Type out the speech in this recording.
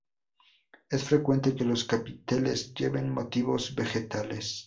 Es frecuente que los capiteles lleven motivos vegetales.